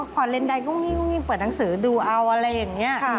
พอเล่นใดก็งิ่งเปิดหนังสือดูเอาอะไรอย่างนี้